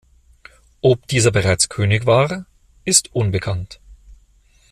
Ob dieser bereits König war, ist unbekannt.